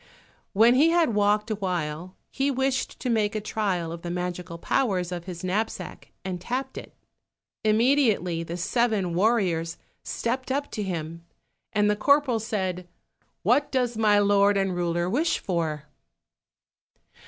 When he had walked a while, he wished to make a trial of the magical powers of his knapsack and tapped it. Immediately the seven warriors stepped up to him, and the corporal said, "What does my lord and ruler wish for?"